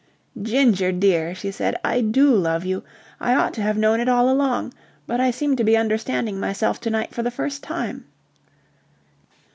"Ginger, dear," she said, "I do love you. I ought to have known it all along, but I seem to be understanding myself to night for the first time."